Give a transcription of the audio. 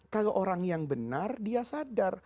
kalau orang yang benar dia sadar